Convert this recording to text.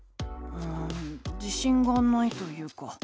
うん自しんがないというか。